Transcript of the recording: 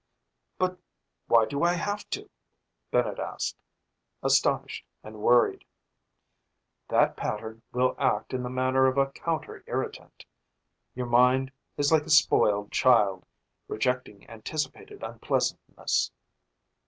"But why do I have to?" Bennett asked, astonished and worried. "That pattern will act in the manner of a counter irritant. Your mind is like a spoiled child, rejecting anticipated unpleasantness.